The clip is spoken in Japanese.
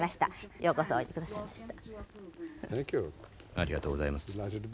ありがとうございます。